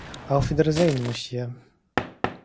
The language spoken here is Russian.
Ауфидерзейн, мусье.